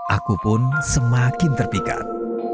aku pun semakin terpikat